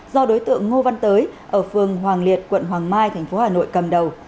do đối tượng ngô văn tới ở phường hoàng liệt quận hoàng mai thành phố hà nội cầm đầu